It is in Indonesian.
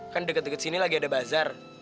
kan deket deket sini lagi ada bazar